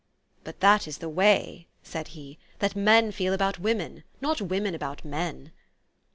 "But that is the way," said he, "that men feel about women, not women about men."